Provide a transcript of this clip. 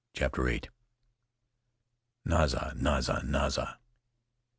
CHAPTER 8. NAZA! NAZA! NAZA!